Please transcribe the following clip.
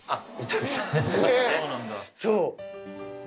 そう。